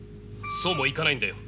そうもいかないんだよ。